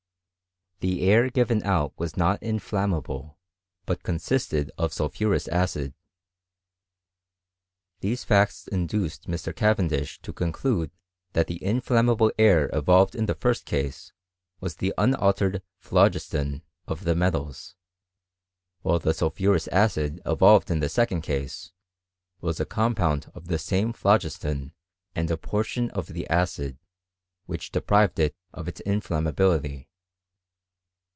The air gived out was not inflammable, but consisted of sulphuroilfc acid. These facts induced Mr. Cavendish to conclude that the inflammable air evolved in the first case watf the unaltered phlogiston of the metals, while the sul^ phurous acid evolved in the second case, was a cord.^ pound of the same phlogiston and a portion of thi ■ acid, which deprived it of its inflammability.